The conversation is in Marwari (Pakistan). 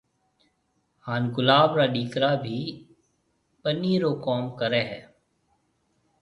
هانَ گلاب را ڏِيڪرا بي ٻنِي رو ڪوم ڪريَ هيَ۔